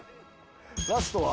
ラストは？